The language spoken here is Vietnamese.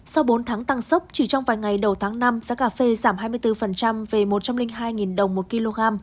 sau bốn tháng tăng sốc chỉ trong vài ngày đầu tháng năm giá cà phê giảm hai mươi bốn về một trăm linh hai đồng một kg